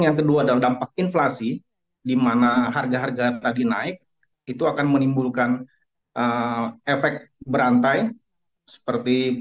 yang kedua adalah dampak inflasi di mana harga harga tadi naik itu akan menimbulkan efek berantai seperti